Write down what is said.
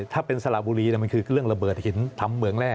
ถ้าเป็นสระบุรีมันคือเรื่องระเบิดหินทำเหมืองแร่